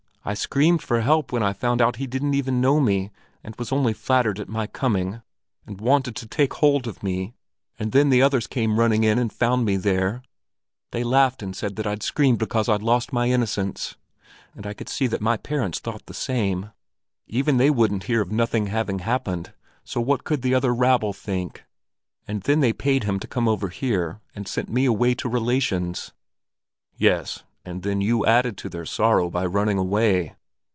I screamed for help when I found out he didn't even know me, but was only flattered at my coming, and wanted to take hold of me. And then the others came running in and found me there. They laughed and said that I'd screamed because I'd lost my innocence; and I could see that my parents thought the same. Even they wouldn't hear of nothing having happened, so what could the other rabble think? And then they paid him to come over here, and sent me away to relations." "Yes, and then you added to their sorrow by running away."